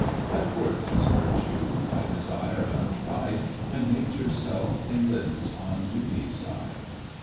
What worth has Virtue by Desire untried, When Nature's self enlists on Duty's side?